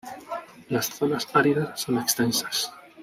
Las zonas áridas son extensas.